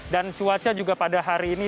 dan cuaca juga pada hari ini